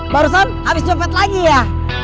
barusan habis compet lagi ya